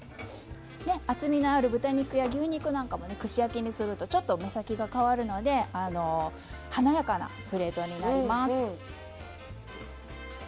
厚みのある豚肉や牛肉なんかも串焼きにするとちょっと目先が変わるので華やかなプレートになります。